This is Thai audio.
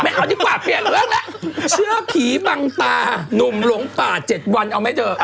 เอาดีกว่าเปลี่ยนเรื่องแล้วเชื่อผีบังตานุ่มหลงป่า๗วันเอาไหมเธอ